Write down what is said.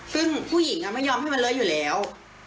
ซึ่งผู้หญิงไม่ยอมให้มันเลอะอยู่แล้ว